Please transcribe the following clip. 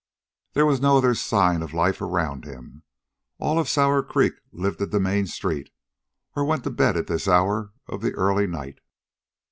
There was no other sign of life around him. All of Sour Creek lived in the main street, or went to bed at this hour of the early night.